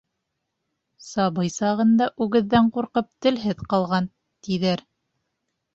Сабый сағында үгеҙҙән ҡурҡып телһеҙ ҡалған, тиҙәр.